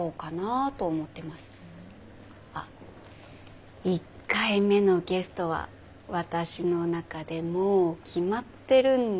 あっ１回目のゲストは私の中でもう決まってるんですけど。